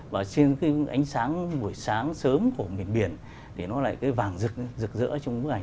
và trên cái ánh sáng buổi sáng sớm của miền biển thì nó lại cái vàng rực rực rỡ trong bức ảnh